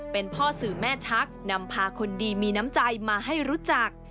เป็นพ่อสื่อแม่ชักนำพาคนดีมีน้ำใจมาให้รู้จัก